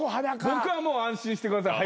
僕はもう「安心してください